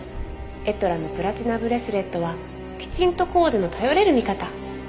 「“エトラ”のプラチナブレスレットはきちんとコーデの頼れる味方！」